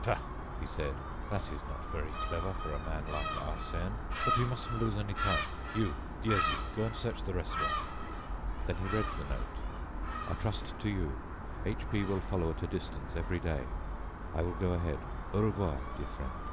"Peuh!" he said, "that is not very clever for a man like Arsène. But we mustn't lose any time. You, Dieuzy, go and search the restaurant." Then he read the note: "I trust to you, H P will follow at a distance every day. I will go ahead. Au revoir, dear friend."